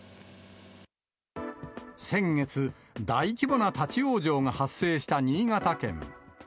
先月、大規模な立往生が発生した新潟県。